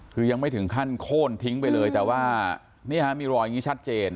คือยังไม่ถึงขั้นโค้นทิ้งไปเลยแต่ว่านี่ฮะมีรอยอย่างนี้ชัดเจน